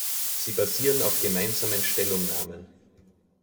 Sie basieren auf gemeinsamen Stellungnahmen.